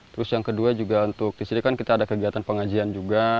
terus yang kedua juga untuk di sini kan kita ada kegiatan pengajian juga